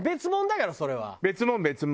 別物別物。